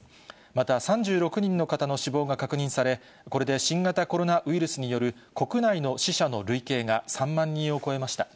また、３６人の方の死亡が確認され、これで新型コロナウイルスによる国内の死者の累計が３万人を超えました。